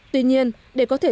tuy nhiên để có thể giải thích